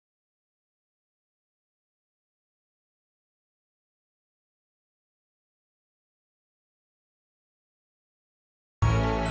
machineshifong yang mepupulkan